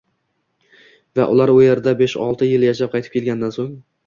va ular u yerda besh-olti yil ishlab, qaytib kelgandan soʻng